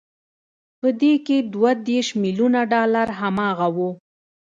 په دې کې دوه دېرش ميليونه ډالر هماغه وو